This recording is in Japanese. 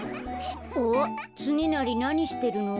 あっつねなりなにしてるの？